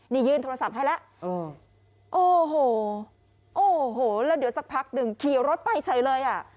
นี่ยื่นโทรศัพท์ให้แล้วโอ้โหโอ้โหแล้วเดี๋ยวสักพักหนึ่งขี่รถไปเฉยเลยอ่ะ